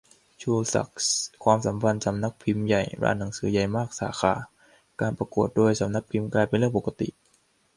ชูศักดิ์ : ความสัมพันธ์ สนพ.ใหญ่-ร้านหนังสือใหญ่มากสาขา-การประกวดโดยสนพ กลายเป็นเรื่องปกติ